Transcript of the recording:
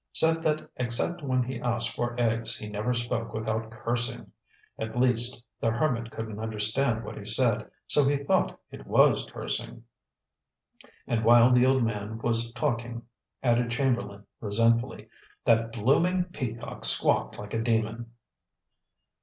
Said that except when he asked for eggs he never spoke without cursing. At least, the hermit couldn't understand what he said, so he thought it was cursing. And while the old man was talking," added Chamberlain resentfully, "that blooming peacock squawked like a demon."